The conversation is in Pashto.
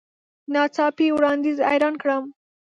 نا څاپي وړاندیز حیران کړم .